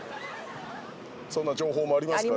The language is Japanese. そんな情報もありますから。